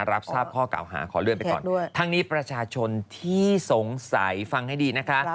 รับทราบข้อเก่าหาขอเลื่อนไปก่อนทั้งนี้ประชาชนที่สงสัยฟังให้ดีนะคะ